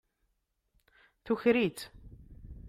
Tuker-itt.